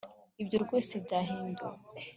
Ibyo rwose byahinduwe